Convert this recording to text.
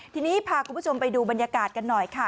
ทีนี้พาคุณผู้ชมไปดูบรรยากาศกันหน่อยค่ะ